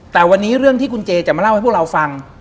แต่วันนี้เรื่องที่คุณเจจะมาเล่าให้พวกเราฟัง